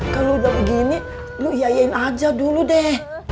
kalau udah begini lu iya iyain aja dulu deh